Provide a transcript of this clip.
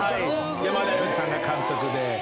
山田洋次さんが監督で。